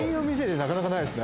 なかなかないですね。